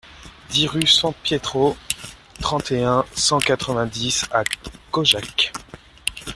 dix rue San Pietro, trente et un, cent quatre-vingt-dix à Caujac